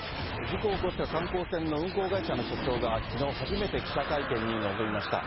事故を起こした観光船の運航会社の社長が、きのう初めて記者会見に臨みました。